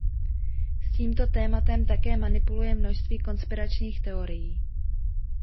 S tímto tématem také manipuluje množství konspiračních teorií.